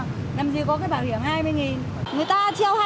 người ta treo hai mươi là người ta chủ yếu là để câu khách vào thôi